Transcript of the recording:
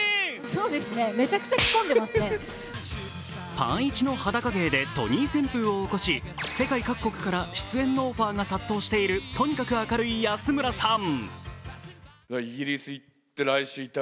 パンイチの裸芸でトニー旋風を起こし世界各国から出演のオファーが殺到しているとにかく明るい安村さん。